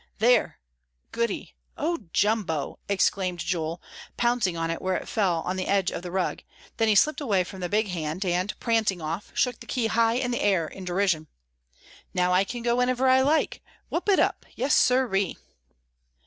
"There, goody, O jumbo!" exclaimed Joel, pouncing on it where it fell on the edge of the rug, then he slipped away from the big hand, and, prancing off, shook the key high in the air in derision. "Now I can go in whenever I like. Whoop it up! Yes sir ee!"